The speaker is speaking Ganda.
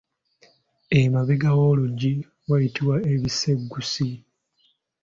Emabega w’oluggi wayitibwa ebisegguusi.